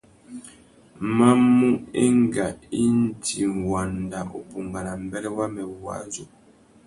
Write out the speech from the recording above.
Ma mú enga indi nʼwanda ubungana mbêrê wamê wuwadjú.